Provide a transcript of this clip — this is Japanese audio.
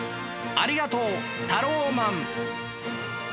ありがとうタローマン！